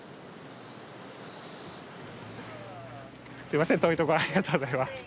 すみません遠いところありがとうございます。